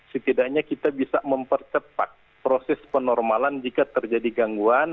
setidaknya kita bisa mempercepat proses penormalan jika terjadi gangguan